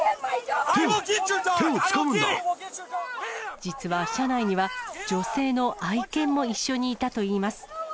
手を、実は車内には、女性の愛犬も一緒にいたといいます。